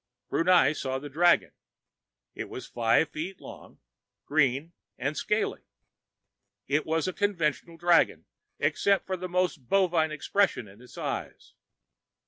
Brunei saw the dragon. It was five feet long, green and scaly. It was a conventional dragon, except for the most bovine expression in its eyes....